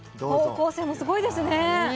高校生もすごいですね。